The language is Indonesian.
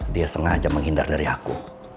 dia sengaja menghindar dari aku